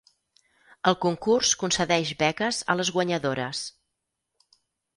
El concurs concedeix beques a les guanyadores.